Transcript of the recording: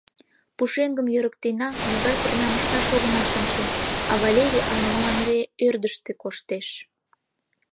Пушеҥгым йӧрыктена, могай пырням ышташ — огына шинче, а Валерий ала-молан эре ӧрдыжтӧ коштеш.